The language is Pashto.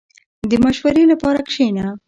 • د مشورې لپاره کښېنه.